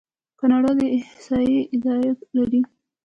کاناډا د احصایې اداره لري.